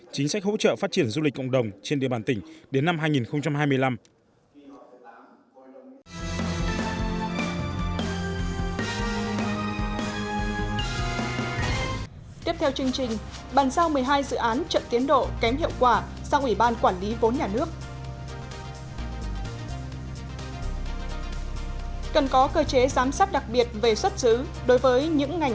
chính sách hỗ trợ phát triển du lịch cộng đồng trên địa bàn tỉnh đến năm hai nghìn hai mươi năm